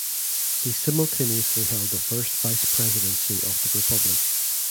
He simultaneously held the first vice presidency of the Republic.